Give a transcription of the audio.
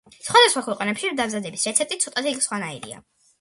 სხვადასხვა ქვეყნებში დამზადების რეცეპტი ცოტათი სხვანაირია.